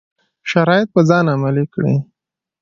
شرایط په ځان عملي کړي.